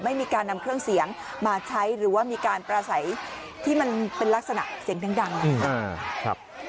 ไม่มีการนำเครื่องเสียงมาใช้หรือว่ามีการประสัยที่มันเป็นลักษณะเสียงดังนะครับ